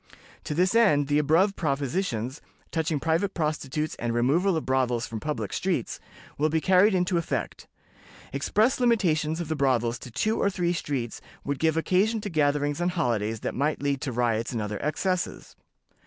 To this end, the above propositions, touching private prostitutes and removal of brothels from public streets, will be carried into effect. Express limitations of the brothels to two or three streets would give occasion to gatherings on holidays that might lead to riots and other excesses.